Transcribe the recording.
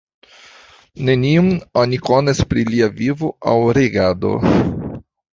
Nenion oni konas pri lia vivo aŭ regado.